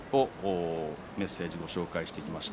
メッセージをご紹介してきました。